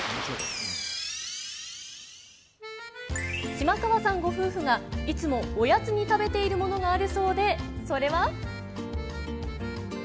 島川さんご夫婦がいつも、おやつに食べているものがあるそうでそれは。